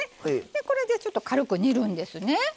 これでちょっと軽く煮るんですね。